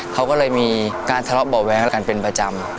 เขาก็เลยมีการทะเลาะเบาะแว้งกันเป็นประจำ